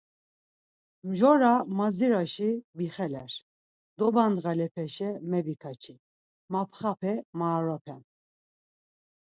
Mcora mazirasi vixeler. Doba ndğalepeşa meviǩaçi. Mapxape maoropen.